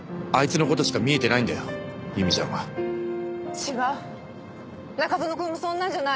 違う中園くんもそんなんじゃない。